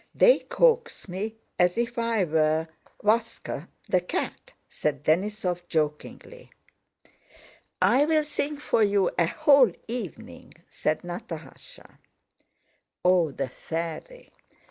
"They coax me as if I were Váska the cat!" said Denísov jokingly. "I'll sing for you a whole evening," said Natásha. "Oh, the faiwy!